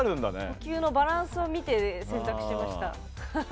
呼吸のバランスを見て選択しました。